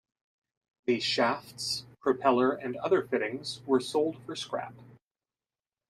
The shafts, propeller and other fittings were sold for scrap.